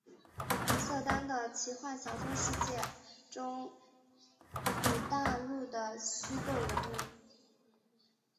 瑟丹的奇幻小说世界中土大陆的虚构人物。